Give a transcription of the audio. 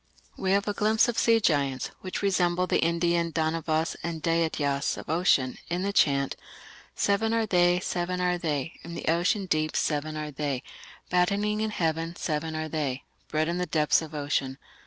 We have a glimpse of sea giants, which resemble the Indian Danavas and Daityas of ocean, in the chant: Seven are they, seven are they, In the ocean deep seven are they, Battening in heaven seven are they, Bred in the depths of ocean....